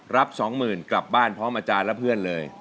สองหมื่นกลับบ้านพร้อมอาจารย์และเพื่อนเลย